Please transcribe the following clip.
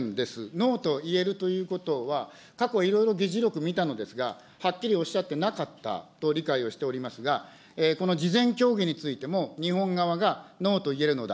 ノーと言えるということは、過去いろいろ議事録見たのですが、はっきりおっしゃってなかったと理解をしておりますが、この事前協議についても、日本側がノーと言えるのだ。